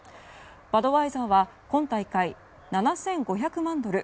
バドワイザーは今大会７５００万ドル